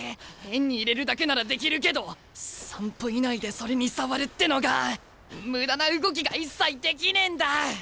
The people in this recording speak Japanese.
円に入れるだけならできるけど３歩以内でそれに触るってのが無駄な動きが一切できねえんだ！